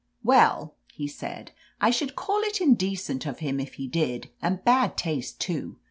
"Well," he said, "I should call it indecent of him if he did, and bad taste, too.